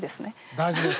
大事です。